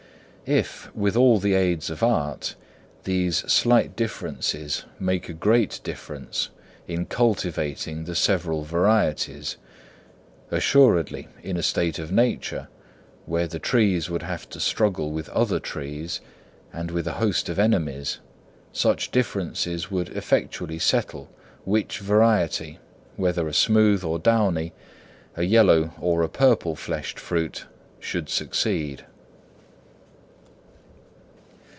If, with all the aids of art, these slight differences make a great difference in cultivating the several varieties, assuredly, in a state of nature, where the trees would have to struggle with other trees and with a host of enemies, such differences would effectually settle which variety, whether a smooth or downy, a yellow or a purple fleshed fruit, should succeed.